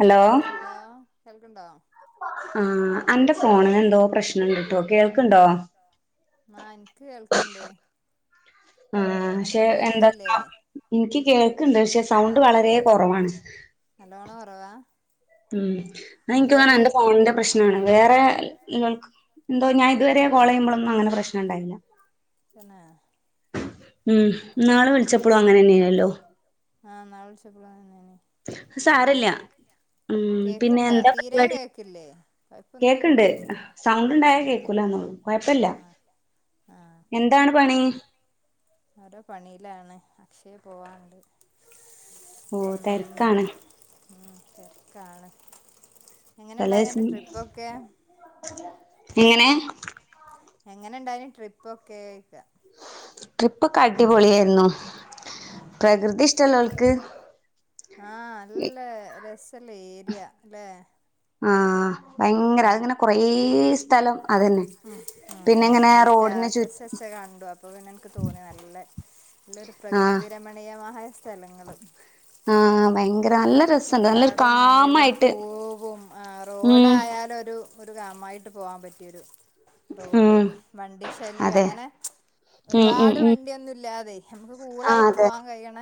Hello? Hello കേൾക്ക്ണ്ടോ? ആ അന്റെ ഫോണിനെന്തോ പ്രശ്നണ്ട് ട്ടോ കേൾക്ക്ണ്ടോ? ആ ഇനിക്ക് കേൾക്ക്ണ്ട്. ആ ക്ഷെ അൻക്ക് എന്താ കേൾക്കില്ലേ ഇനിക്ക് കേൾക്ക്ണ്ട് പക്ഷെ സൗണ്ട് വളരെ കുറവാണ്. നല്ലോണം ഒറവാ? ം ഇനിക്ക് തോന്ന്ണ് അന്റെ ഫോണിന്റെ പ്രശ്നം ആണ് വേറെല്ലോൽക്കൊന്നെന്തോ ഞാൻ ഇതുവരെ കോൾ ചെയ്യുമ്പോഴൊന്നും അങ്ങനെ പ്രശ്നം ഉണ്ടായില്ല. തന്നെ? ം ന്നാള് വിളിച്ചപ്പോളും അങ്ങനെന്നെയാനല്ലോ. ആഹ് ന്നാള് വ്ളിച്ചപ്പളും അങനെതന്നെ ത് പറീണേടട്ടീ ം പിന്നെ എന്താ പരിപാടി? കേക്കണ്ട് കൊഴപ്പൊന്നുല്ലല്ലോ സൗണ്ട് ഉണ്ടായാ ഉം കേൾക്കൂലന്നൊള്ളു. കൊഴപ്പല്ല. ആഹ് ഓക്കെ ഓക്കെ. എന്താണ് പണി ഓരോ പണീലാണ് അക്ഷയെ പോവാണ്ട്. ഓ തെരക്കാണ് ം ് തിരക്കാണ്. തലേസം എങ്ങനെ? എങ്ങനെണ്ടായിനി ട്രിപ്പൊക്കെ ചോയ്ക്ക? ട്രിപ്പൊക്കെ അടിപൊളിയായിരുന്നു. ഉം പ്രകൃതി ഇഷ്ടമുള്ളോൽക്ക് ആഹ് നല്ല രസള്ള ഏര്യാല്ലേ? ആഹ് ഭയങ്കര അതിങ്ങനെ കൊറേ സ്ഥലം അതന്നെ. ഉം അ പിന്നെ അ ഇങ്ങനെ അന്റെ റോഡിന് ചു സ്റ്റാറ്റസ് വച്ചത് കണ്ടു. അപ്പൊ പിന്നെ എനിക്ക് തോന്നി നല്ല നല്ലൊരു ആഹ് പ്രകൃതി രമണീയമായ സ്ഥലങ്ങള്. ആഹ് ഭയങ്കര നല്ല നല്ല രസണ്ട് നല്ലൊരു കാടും മേടും കാമായിട്ട് പൂവും ആഹ് ഉം റോഡായാലൊരു ഒരു ഗാമായിട്ട് പോകാൻ പറ്റിയൊരു റോഡ് ഉം വണ്ടി അതെ ശല്യൊങ്ങനെ ഉം ഉം ഒരുപാട് ഉം വണ്ടി ഒന്നും ഇല്ലാതെ ഞമ്മക്ക് ആഹ് കൂളായിട്ട് അതെ പോവാൻ കഴിയ്ണ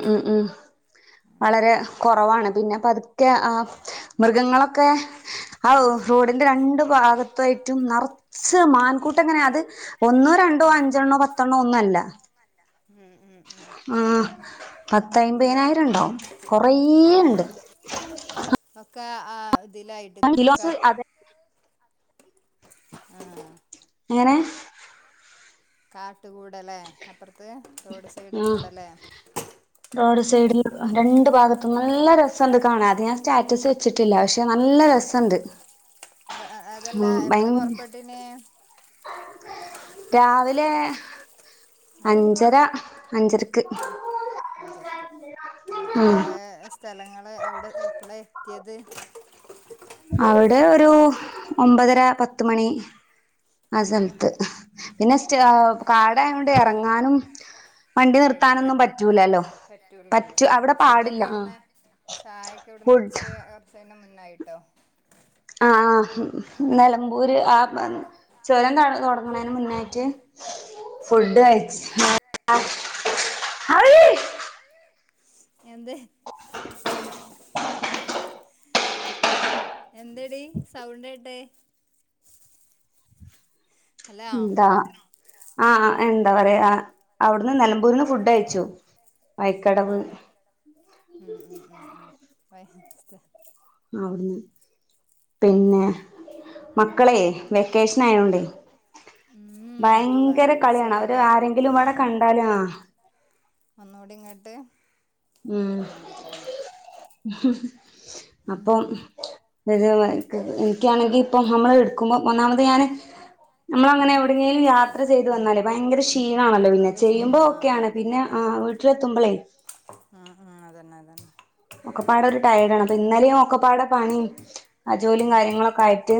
ഉം ് വളരെ കൊറവാണ് പിന്നെ പത്ക്കെ ആഹ് മൃഗങ്ങളൊക്കെ ഔ റോഡിന്റെ രണ്ടു ഭാഗത്തായിട്ടും നർ ച്ച് മാൻകൂട്ടങ്ങനെ അത് ഒന്നോ രണ്ടോ അഞ്ചെണ്ണോ പത്തെണ്ണോ ഒന്നോല്ല. ന്നൊല്ല. ് ് ്നല്ല പത്തയ്മ്പതിനായിരം ഉണ്ടാവും കൊറേ തന്നെ? ഉണ്ട് ഒക്കെ ആ ഇതിലായി [unintelligible] അതെ ആഹ് എങ്ങനെ കാട്ട് കൂടലേ അപ്പുറത്ത് റോഡ് സൈഡ് ആ കൂടലേ റോഡ് സൈഡിൽ രണ്ട് ഭാഗത്തും നല്ല രസണ്ട് കാണാം അത് ഞാൻ സ്റ്റാറ്റസ് ച്ചിട്ടില്ല പക്ഷെ നല്ല രസണ്ട് അഹ് അതല്ല ഉം ഭയ എപ്പളാ പൊറപ്പെട്ടീഞേ രാവിലെ ഉം അഞ്ചര അഞ്ചര ക്ക് അഞ്ചരക്ക് ആഹ് ഉം എപ്പളെ സ്ഥലങ്ങള് അവിടെ എപ്പളേ എത്തിയത് അവിടെ ഒരു ഒമ്പതര പത്ത് മണി ആഹ് ഉം സമ്ത്ത് പിന്നെ സ്റ്റാ ഉം കാടായോണ്ട് ഇറങ്ങാനും വണ്ടി നിർത്താനൊന്നും പേടിയാല്ലേ പറ്റൂലല്ലോ പറ്റു അവിടെ പാടില്ല ആഹ് ചായക്ക എവിടന്ന ഉടിചേ കുറച്ചെയ്ന്റെ മുന്നായിട്ടോ ആഹ് ആഹ് നിലമ്പൂര് ആചുരം കാണ് തുടങ്ങണതിന് മുന്നായിട്ട് ആഹ് ഫുഡ് ആഹ് അയ്ച് ഓക്കെ ഓക്കെ [unintelligible] എന്ത് എന്തെടി സൗണ്ടേ ട്ടെ ഹലോ എന്താ ആഹ് എന്താ പറയാ അവിടുന്ന് നില ബന്ന് ഫുഡയച്ചു വൈക്കടവ് ആഹ് ഉം ഉം ഉം ഉം [unintelligible] അവിടുന്ന് പിന്നെ മക്കളേ വെക്കേഷൻ ആയോണ്ടേ ഉം ഭയങ്കര കളിയാണ് അവര് പറയിപ്പിച്ചല്ലല്ലേ ആരെങ്കിലും ഇവിടെ കണ്ടാലും ആഹ് ഒന്നൂടിൻ ഇങ്ങട്ട് ഉം അപ്പൊ വരോ [unintelligible] എനിക്കാണെങ്കി ഇപ്പൊ നമ്മള് എടുക്കുമ്പോ ഒന്നാമത് ഞാന് നമ്മള അങ്ങനെ എവിടെങ്കീലും യാത്ര ചെയ്ത് വന്നാലേ ഭയങ്കര ക്ഷ് ചീണാണല്ലോ പിന്നെ കൃഷി ചെയ്യുമ്പോ ചെയ്യണ ഒക്കെയാണ് പിന്നെ ആഹ് വീട്ടിലെത്തുമ്പളേ അഹ് ആഹ് അതന്നെ അതന്നെ ഒക്കപ്പാട ഒരു ടയർഡ് ആണ് അപ്പൊ ഇന്നലിം ഒക്കപ്പാടെ പണി ആഹ് ജോലിയും കാര്യങ്ങളൊക്കെ ആയിട്ട്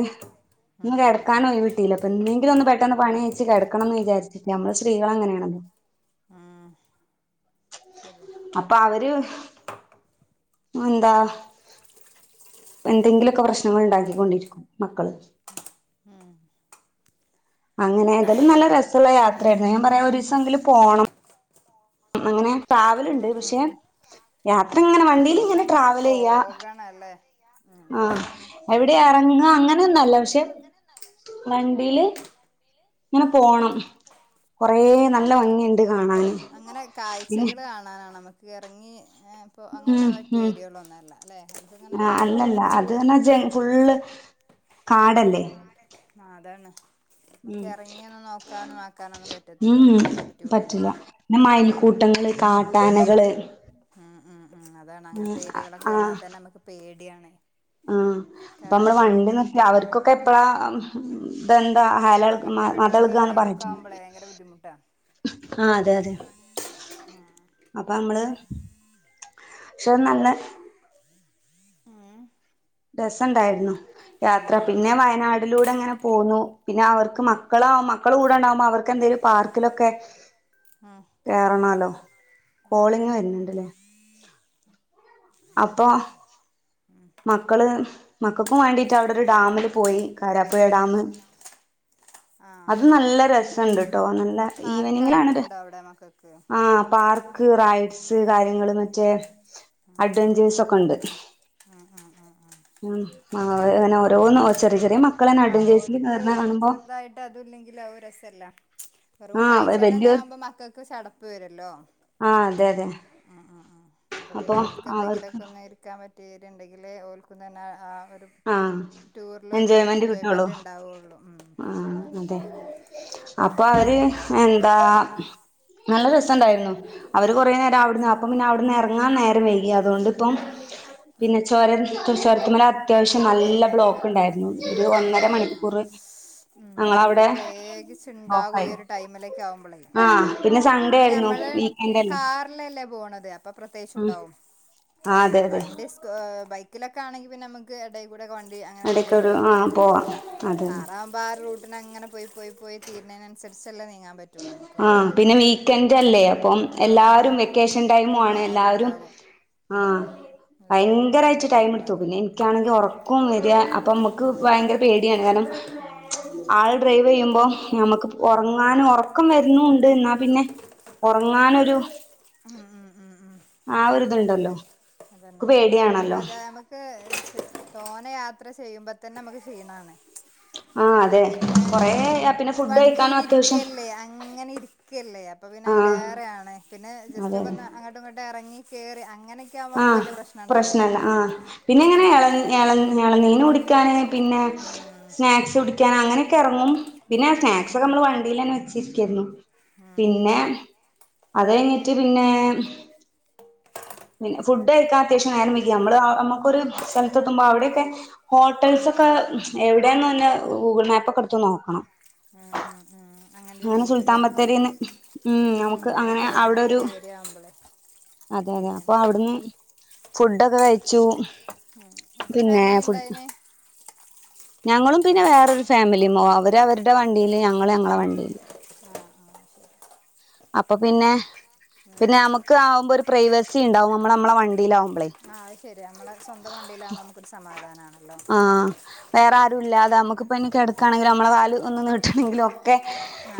ഉം ഒന്ന് ഉം ഉം കിടക്കാനോയ്വ്ട്ടീല്ല പ്പന്നേങ്കിലൊന്ന് പെട്ടെന്ന് പണി അയ്ച്ച് കിടക്കണംന്ന് വിചരിച് നമ്മള് സ്ത്രീകൾ അങ്ങനെയാണ് ആഹ് ശരിയാ അപ്പൊ അവര് എന്താ പന്തെങ്കിലൊക്കെ പ്രശ്നങ്ങൾ ഉണ്ടാക്കിക്കൊണ്ടിരിക്കും മക്കള് ഉം അങ്ങനെ തായാലും നല്ല രസള്ള യാത്രയായിരുന്നു ഞാൻ പറയാ ഒരീസങ്കിലും പോണം അങ്ങനെ ഉം ട്രാവല്ണ്ട് ഉം പക്ഷെ ഉം യാത്ര ഇങ്ങനെ വണ്ടിൽ ഇങ്ങനെ ട്രാവലെയ്യാ ആഹ് ല്ലേ രസാണ് എവിടെ എറങ്ങ എവിടെ ഇറങ്ങ അങ്ങനൊന്നല്ല പക്ഷെ വണ്ടിയില് ഇങ്ങനെ പോണം. കൊറെ നല്ല അതന്നെ ഭംഗിണ്ട് കാണാന് പിന്നെ ക്കി എറങ്ങി ഇപ്പോ അങ്ങനെ ഉം പറ്റിയ ഉം ഏരിയകളൊന്നും അല്ല ല്ലേ അതിങ്ങനെ ആ അല്ലല്ല അതറഞ്ഞ ജയൻ ഫുള്ള് ഉം കാടല്ലേ അതാണ്. നമുക്ക് ഉം ഇറങ്ങിയോന്ന് നോക്കാനും ആക്കാനൊന്നും ഉം പറ്റത്ത പറ്റില്ല പറ്റൂലല്ലോ. പിന്നെ മയിൽക്കൂട്ടങ്ങള് കാട്ടാനകള് ഉം ഉം ഉം അതാണ് ഉം അങ്ങൻത്തെ ആ ഏരിയകളൊക്കെ വന്നാ തന്നെ നമുക്ക് പേടിയാണ്. ആഹ് അപ്പൊ നമ്മള് കാരണം വണ്ടി നിർത്തി അവർക്കൊക്കെ എപ്പഴാ ഇതെന്താ ഹല ഇളക് ഒറ്റപ്പെട്ട് നിൽക്കുന്ന മദേളകാന്ന് ടൈമൊക്കെ പറയറ്റെ ആവുമ്പോളേ ഭയങ്കര ബുദ്ധിമുട്ട. ആഹ് അതെ അതെ. അപ്പൊ അമ്മള് പക്ഷെ നല്ല ഉം. രസ ഇണ്ടായിരുന്നു. യാത്ര പിന്നെ വയനാടിലൂടെ അങ്ങനെ പോന്നുന പിന്നെ അവർക്ക് മക്കളാവും മക്കള് കൂടെ ഉണ്ടാവുമ്പോ അവർക്ക് എന്തേലും പാർക്കിലൊക്കെ ആഹ്. കേറണാല്ലോ കോളിങ്ങ് വരുന്നുണ്ട്‌ അതാണ് ലെ. അപ്പോ മക്കള് മക്കക്കും വേണ്ടിട്ട് അവിടെ ഒരു ഡാമില് പോയി കാരാപ്പുഴ ഡാമ്. ആഹ് അത് നല്ല രസണ്ട് ട്ടോ നല്ല ഈവനിങ്ങിലാണ് പാർക്കായിട്ടുണ്ടോ അവിടെ മക്കൾക്ക് ആഹ് പാർ ക്ക് റൈഡ്സ് കാര്യങ്ങള് മറ്റേ അഡ്വെഞ്ചേഴസ് ഒക്കെ ഉണ്ട്. ആഹ് ഹ ഹ ആഹ്. ഉം അ ഇങ്ങനെ ഓരോന്നും ചെറിയ ചെറിയ മക്കളന്നെ അഡ്വഞ്ചേർസിൽ കേറണ കാണുമ്പോ ട്ട് അതു ഇല്ലെങ്കില് ആ ഒരു രസല്ല. വെറും ആ കാഴ്ചകൾ അന്നെ വല്യോര് ആവുമ്പോ മക്കക്ക് ചടപ്പ് വരുല്ലോ ആഹ് അതെ അതെ ഉം ഉം ഉം. അപ്പോ അപ്പൊ പിന്നെ ഓൽക്ക് എന്തെങ്കിലും അവർക്ക് ഒക്കെ ഒന്ന് ഇരിക്കാൻ പറ്റീറ്റിണ്ടെങ്കില് ഓൽക്കുന്ന ന്നെ ആ ഒരു ആഹ് ടൂറിലൊരു എൻജോയ്മെന്റ് കിട്ടുള്ളൂ ഉണ്ടാവുള്ളൂ ഉം ആഹ് അതാണ് അതെ. അപ്പൊ അവര് എന്താ നല്ല രസ ഇണ്ടായിരുന്നു. അവര് കൊറേ ഉം നേരം അവിടെന്ന് അപ്പം പിന്നെ അവിടുന്ന് എറങ്ങാൻ നേരം വൈകി അതുകൊണ്ടിപ്പം പിന്നെ ഉം ചൊരൻ തുസരത്തുമ്മൽ അത്യാവശ്യം നല്ല ബ്ലോക്ക് ഇണ്ടായിരുന്നു ഒരു ആ ഒന്നര മണിക്കൂർ ഉം ഞങ്ങളവിടെ പ്രത്യേകിച്ച് ഇണ്ടാവും ഈ ബ്ലോക്കായി ഒരു ടൈമിലേക്ക് ആവുമ്പോളെ. ആഹ് സൺഡേ പിന്നെ ആയിരുന്നു ഞമ്മള് വീക്കെൻഡ് അല്ലേ കാറിലല്ലേ പോണത് അ അപ്പൊ പ്രത്യേകിച്ച ഉം ഉണ്ടാവും ആഹ് അതെ അതെ വണ്ടി സ്ക് ബൈക്കിലൊക്കെ ആണെങ്കി പിന്നെ നമുക്ക് എടെ കൂടെ ഒക്കെ വണ്ടി അങ്ങനെ കൊണ്ടു എടക്കൊരു പോയി ആഹ് പോവാം എത്താം അതെ അതെ കാറാവുമ്പോ ആ റൂട്ടിന് അങ്ങനെ പോയി പോയി പോയി തീർണെന് അനുസരിച്ചല്ലെ നീങ്ങാൻ പറ്റുള്ളൂ നമുക്ക്. ആഹ് പിന്നെ വീക്കെൻഡല്ലേ അപ്പം അതാണ് എല്ലാവരും വെക്കേഷൻ ടൈമു ആണ് എല്ലാവരും എല്ലാരുണ്ടാകും ഉം ആഹ് എല്ലാരും ഉണ്ടാവണ ഭയങ്കരായിട്ട് ടൈം എടുത്തു ടൈമാണ് പിന്നെ എനിക്കാണെങ്കി ഉറക്കോം വെ ര അപ്പം നമുക്ക് ഭയങ്കര പേടിയാണ് കാരണം ഉം ഉം ആൾ ഡ്രൈവെയ്യുമ്പോ ഞമ്മുക്ക് അതന്നെ അതന്നെ ഒറങ്ങാനും ഒറ ക്കം വരുന്നും ഉണ്ട് എന്നാ പിന്നെ ഉറങ്ങാനൊരു ഉം ഉം ഉം ഉം ആ ഒരിതുണ്ടല്ലോ അതന്നെ ക്ക് അതന്നെ അ വേ പേടിയാണല്ലോ അതമ്മക്ക് ത്ത് തോന യാത്ര ചെയ്യുമ്പതന്നെമക്ക് ക്ഷീണണ് ആഹ് അതെ കൊറെ വണ്ടിലിര്ക്യല്ലേ അങ്ങനെ ഇര്ക്യല്ലേ അപ്പൊ ആഹ് പിന്നയ്ലേറെയാണ് പിന്നെ അതെ അതെ ജസ്റ്റൊക്കൊന്ന് അങ്ങട്ടു ഇങ്ങട്ടറങ്ങി കേറി അങ്ങനക്യാവുമ്പോ മക്ക് വല്യ പ്രശ്നംണ്ടാവുല പിന്നെങ്ങനെ എളൻ എളൻ എളന്നീനു ടിക്യാന് പിന്നെ ഉം സ്നാക്സ് കുടിക്യാ അങ്ങനെക്കെ എറങ്ങും പിന്നെ ഉം സ്നാക്സൊക്കെമ്മള് വണ്ടിലന്നെ വെച്ചിര്ക്കേര്ന്നു ആഹ് ആഹ് ആഹ് അതയ്ഞ്ഞിറ്റ് പിന്നെം പിന്നെ ഫുഡ്ഡയ്ക്കാരാ ത്യേശം നേരം വെങ്കി അമ്മള് ആഹ് നമ്മക്കൊര് സ്ഥൽത്തത്തുമ്പോ അവ്ടെക്കെ ഹോട്ടൽസൊക്കെ. എവിടെന്ന്ന്നന്നെ ഊഗ്ൾ മേപ്പക്കെ ട്ത്ത് നോക്കണം ഉം ഉം ഉം അങ്ങനരു അങ്ങനെ സുൽത്താൻ ഏര്യാവുപോലെ ബത്തേരിന്ന് ഉം നമുക്ക് അത് അങ്ങനെ ശരി അവിടെ ഒരു അങ്ങൻത്തെരു ഏഹ് ര്യാമ്പള് അതെ അതെ അപ്പൊ അവ്ടുന്ന് ഫുഡക്കെ കയ്ച്ചു ഉം. എത്ര പിന്നെ ഫാമിലി ഫുഡ് ഉണ്ടായിന് ഞങ്ങളും പിന്നെ വേറൊരു ഫാമിലിം ഒഹ് അവര് അവര്ടെ വണ്ടീല് ഞങ്ങള് ഞങ്ങളെ വണ്ടി ആഹ് ആഹ് അപ്പൊ പിന്നെ പിന്നെ അമക്ക് ആവുമ്പോരു പ്രൈവസിണ്ടാവും മ്മളെ അമ്മളെ വണ്ടീലാവുമ്പ്ളേ ആഹ് അത് ശരിയാ മ്മളെ സ്വന്തം വണ്ടീലാം നമക്കൊരു സമാധാനാണല്ലോ ആഹ് വേറെ ആരുല്ലാതെ അമക്പ്പയ്ന് കെടക്കാണങ്കിലും മ്മളെ കാല് ഒന്ന് നീട്ടണെങ്കിലോ ക്കെ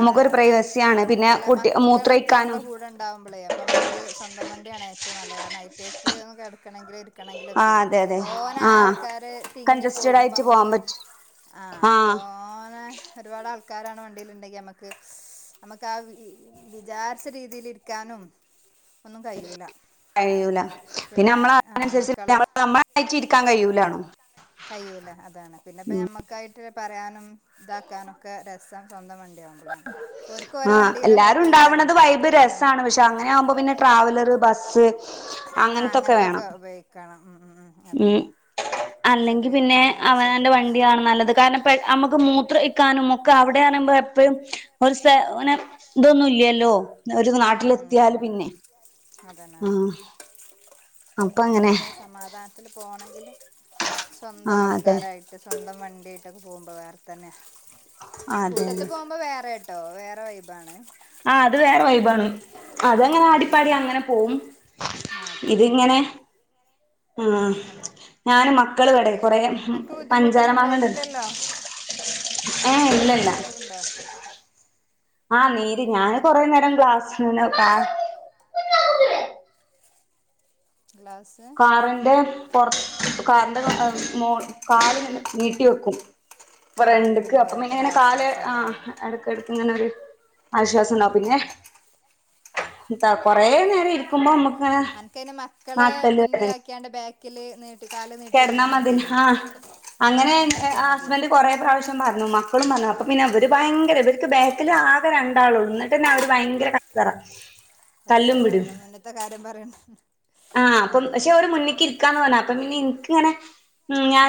മുക്കൊരു പ്രൈവസിയാണ് പിന്നെ കുട് ക്കേളക്കെ യമ്മളെ കൂടെ ണ്ടാവുമ്പളേ അപ്പൊമക് ക്ക് സ്വന്തം വണ്ട്യാണ് ഏറ്റവുനല്ലത് കാര്നം ഐറ്റേക്ക് ഒന്ന് കെടക്കണങ്കില് ക്കണെങ്കിലൊക്കെ ആഹ് അതെ അതെ തോന ആഹ് ആൾക്കാര് തിങ്ങി കൺജസ്റ്റഡ് പോകുമ്പോ ആയിട്ട് പോവാൻ അമ്മക്കൊരു പറ്റും ആഹ് തോനെ ഒര്പാട് ആൾക്കാരാണ് വണ്ടില്ണ്ടെ ക്യമക്ക് അമക്ക് ആഹ് വിദി വിജാര്ച്ച രീതില്ഇര്ക്കാനും കയ്യൂല പിന്നെ അമ്മള ആഹ് അയ്നൻസര്ച്ച് മക്കളെ [unintelligible] ആയ്റ്റ് ഇരിക്കാൻ കയ്യൂലാണോ കയ്യൂല അതാണ് പിന്നപ്പഞമ്മക്കായിട്ട് പറയാനും ഇതാക്കാനൊക്കെ രസം സ്വന്തം വണ്ട്യാണ് ആഹ് ഹാപ്പിയ്ക്കാരം എല്ലാരുണ്ടാവ്ണ്ത് വൈബ് അതാണ് രസാണ് പക്ഷെ അങ്ങനെയാവുമ്പോ പിന്നെ ട്രാവലറ് ബസ്സ് ആഹ് അങ്ങൻത്തൊക്കെ ഉപയോഗിക്കണം ഉം ഉം ഉം അതന്നെ അല്ലങ്കി ചെറിയ പിന്നെ മിനി ബസ്സൊക്കെ അവനാന്റെ ഉപയോഗിച്ച് വണ്ടിയാണ് നല്ലത് കാര്ണം പെ. അമ്മക്ക് മൂത്രയിക്കാനും മൊക്ക് അവിടെറ്നിമ്പോ എപ്പഴും ഒര് സെ ഉം ഒനെ തൊന്നുല്യല്ലോ ഒരു നാട്ടിലെത്തിയാല് പിന്നെ അതെന്നെ ആ അതാണ് അപ്പൊ അങ്ങനെ ഞമ്മക്ക് സമാധാൻത്ത്ല് പോണങ്കില് ആ സ്വന്തം അതെ ആൾക്കാരായി ട്ട് സ്വന്തം വണ്ടീട്ടക്കെ പോവുമ്പോ വേറെ തന്നെ അതെ കൂട്ടത്ത് അതെ പോവുമ്പോ വേറെ ട്ടോ വേറെ വൈബാണ് ആഹ് അത് വേറെ വൈബാണ് അതങ്ങനെ ഉം ഉം ഉം ആടിപ്പാടി അങ്ങനെ പോവും ആഹ് പോകും അതാണ് ആഹ് അതെ ഞാനും മക്കള് വടെ കൊറേ ഉം അനക്ക് ബുദ്ധിമുട്ടൊന്നും പഞ്ചാരമാങ്ങണ്ട് ഉണ്ടായിട്ടില്ലല്ലോ നീരിന്റെ പ്രശ്നം കൊറവ്ണ്ടോ ആഹ് നീര് ഞാന് കൊറേ നേരം ഗ്ലാസ് നന്നെ വെ ആഹ് ഗ്ലാസ് കാറിന്റെ പൊർ കാറിന്റെ മോൾ - കാല് നീട്ടി വെക്കും ആഹ് അപ്പൊ ഫ്രണ്ട്ക്ക് പിന്നെ അപ്പ കൊറേക്കെ ഒരു പിന്നെങ്ങനെ കാല് ആശ്വാസം ആ ഉണ്ടാവും എടക്കെട് ങ്ങനൊരു ആശ്വാസണ്ടാവും പിന്നെ കൊറേ നേരം ഇര്ക്കുമ്പമ്മക് അനക്കയിന് മക്കള് മുന്നിലാക്കിയാണ്ട് ബാക്കില് നീട്ടി കാല് കെടന്നാ നീട്ടിര്ന്നാ മതി മതിയേനി അങ്ങനെ ഹാസ്ബൻഡ് കൊറേ പ്രാവശ്യം പറഞ്ഞു മക്കളും പറഞ്ഞു അപ്പ പിന്നെ വര് ഭയങ്കര ഇവര്ക്ക് ബാക്കില് ആകെ രണ്ടാളൊ ള്ളുന്നട് ട്ടന്നവര് ഭയങ്കര കച്ചറ. തല്ലും കച്ചറ. പിടിം പിന്നെ മുന്ന്ത്തെ കാര്യം പറയണ്ട അഹ് ശരി മുന്നിക്കിരിക്കാന്ന് പർഞ്ഞ്. അപ്പ പിന്നെ ഇൻക്കിങ്ങനെ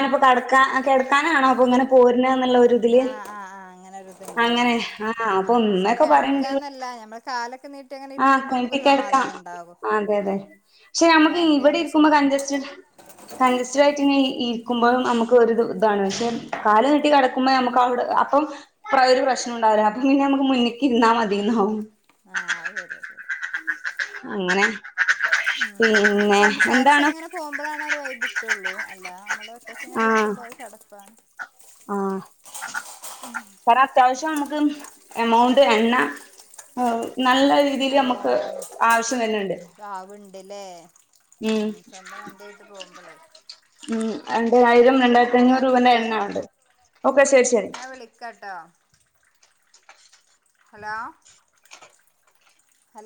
ആഹ് കെടക്കാനാണാപ്പൊങ്ങനെ പോര്നാന്നുള്ള ഒരിതില് ആഹ് ആഹ് ആഹ് അങ്ങനെ ഒരിതുണ്ടാവല്ലോ അങ്ങനെ നമുക്ക് ആഹ് അപ്പൊ പക്ഷെ ഉമ്മക്കെ പറയണ്ട് കിടക്കാന്നല്ല ഞമ്മള് കാലൊക്കെ നീ ആഹ് [unintelligible] എടുക്കാം അതെ അതെ ശ്ശേ സ്വന്തം ഞമ്മക്ക് വണ്ടി ഇവിടെ ആകുമ്പോ ഇരിക്കുമ്പോ സുഖ കഞ്സ്റ്റ് കഞ്ചസ്റ്റഡ് ആയിട്ട്ങ്ങനെ ഇരിക്കുമ്പോ അമ്മ്ക്ക് ഒരു ഇതാണ് പക്ഷെ കാല് നീട്ടി കെട ഉമ്മേ മ്ക്കവടെ അപ്പം ഒരു പ്രശ്നം ഉണ്ടാവൂല അപ്പം പിന്നെ മ്ക്ക് മുന്നിക്കിര്ന്നാ മതിന്നാവും. ആഹ് ശരി ശരി അങ്ങനെ പിന്നെ എന്താണ്. പോകുമ്പോലാണ ഒരു വൈബ് ഇട്ടുള്ളൂ അല്ല മ്മള് ഒറ്റക്കങ്ങനെ ആഹ് ഇരിക്കുമ്പോ ചടപ്പാ ആഹ് കാരണം അത്യാവശ്യം നമുക്ക് എമൗണ്ട് എണ്ണ ഉം നല്ല രീ നലോണം പ്ലാവ്ണ്ട്‌ലേ ഉം സ്വന്തം വണ്ട്യായിട്ട് പോകുമ്പളെ ഉം രണ്ടായിരം രണ്ടായിരത്തഞ്ഞൂറ് ഞാൻ രൂപേന്റെ എണ്ണ ആവണ്ട് ഓക്കെ ശരി ശരി ന്നാ വിളിക്കട്ടോ ഹലോ ഹലോ